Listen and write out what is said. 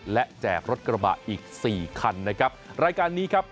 และแจกรถกระบะอีกสี่คันนะครับรายการนี้ครับ